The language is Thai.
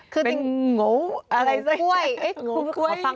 คือเป็นโง่อะไรซะ